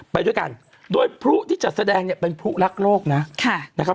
ไปด้วยกันโดยพลุที่จะแสดงเป็นพลุรักโลกนะ